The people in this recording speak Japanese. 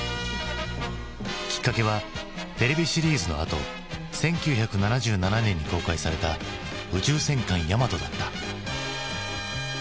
きっかけはテレビシリーズのあと１９７７年に公開された「宇宙戦艦ヤマト」だった。